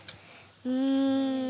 うん。